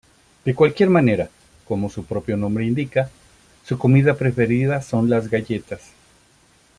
De cualquier manera, como su propio nombre indica, su comida preferida son las galletas.